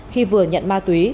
khi vừa nhận ma túy